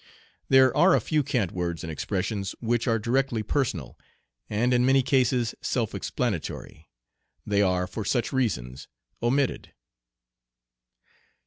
There are a few cant words and expressions which are directly personal, and in many cases self explanatory. They are for such reasons omitted.